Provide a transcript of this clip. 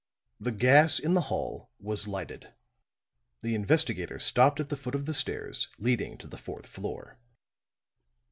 The gas in the hall was lighted; the investigator stopped at the foot of the stairs leading to the fourth floor.